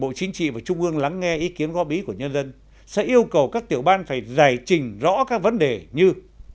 bộ chính trị và trung ương lắng nghe ý kiến góp ý của nhân dân sẽ yêu cầu các tiểu ban phải giải trình rõ các vấn đề như